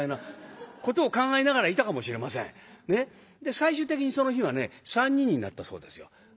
最終的にその日はね３人になったそうですよ。